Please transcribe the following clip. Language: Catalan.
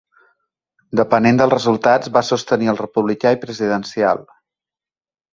Depenent dels resultats, va sostenir el republicà i presidencial.